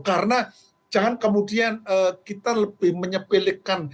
karena jangan kemudian kita lebih menyepelikan